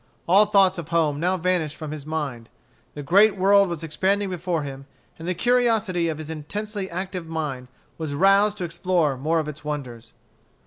All thoughts of home now vanished from his mind. The great world was expanding before him, and the curiosity of his intensely active mind was roused to explore more of its wonders.